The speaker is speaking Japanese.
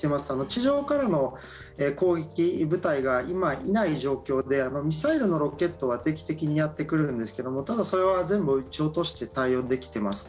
地上からの攻撃部隊が今、いない状況でミサイルのロケットは定期的にやってくるんですけどもただ、それは全部撃ち落として対応できてます。